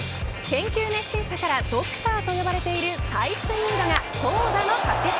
研究熱心さからドクターと呼ばれているサイスニードが勝ち点